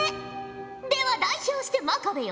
では代表して真壁よ。